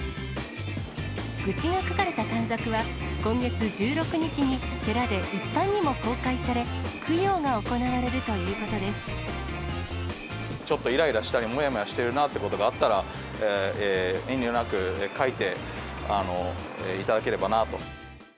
愚痴が書かれた短冊は、今月１６日に、寺で一般にも公開され、ちょっといらいらしたり、もやもやしてるなっていうことがあったら、遠慮なく書いていただければなあと。